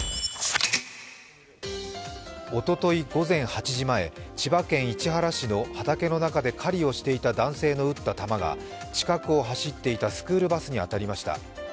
おととい午前８時前、千葉県市原市の畑の中で狩りをしていた男性の撃った弾が近くを走っていたスクールバスに当たりました。